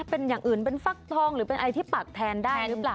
เป็นอย่างอื่นเป็นฟักทองหรือเป็นอะไรที่ปักแทนได้หรือเปล่า